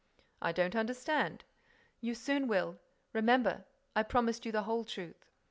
"I don't understand." "You soon will. Remember, I promised you the whole truth."